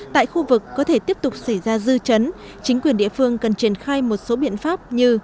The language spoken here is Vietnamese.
tại khu vực có thể tiếp tục xảy ra dư chấn chính quyền địa phương cần triển khai một số biện pháp như